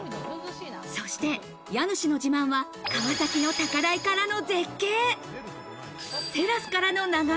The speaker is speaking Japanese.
そして家主の自慢は川崎の高台からの絶景。